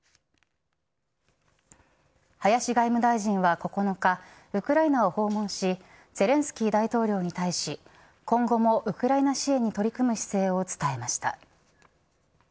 林外務大臣は９日ウクライナを訪問しゼレンスキー大統領に対し今後もウクライナ支援に取り組む姿勢を伝えました。